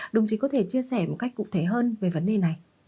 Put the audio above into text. đồng chí có thể chia sẻ một cách cụ thể hơn về vấn đề này